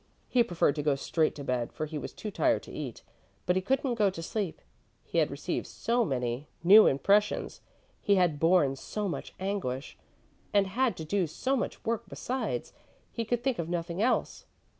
He preferred to go straight to bed, for he was too tired to eat. But he couldn't go to sleep. He had received so many new impressions, he had borne so much anguish, and had to do so much work besides, he could think of nothing else.